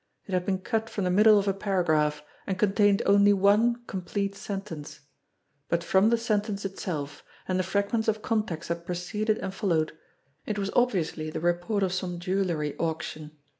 It had been cut from the middle of a paragraph, and con tained only one complete sentence; but from the sentence itself, and the fragments of context that preceded and fol lowed, it was obviously the report of some jewellery auction.